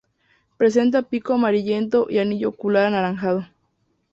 Presenta pico amarillento y anillo ocular anaranjado.